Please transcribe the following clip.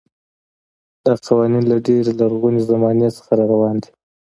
دا قوانین له ډېرې لرغونې زمانې څخه راروان دي.